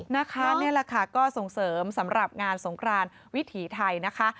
นี่แหละค่ะก็ส่งเสริมสำหรับงานสงครานวิถีไทยนะคะ